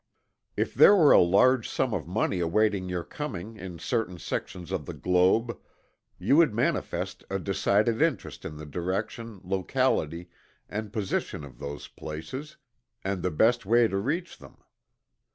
If there were a large sum of money awaiting your coming in certain sections of the globe, you would manifest a decided interest in the direction, locality and position of those places, and the best way to reach them.